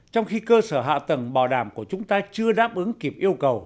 trong khi cơ sở hạ tầng bảo đảm của chúng ta chưa đáp ứng kịp yêu cầu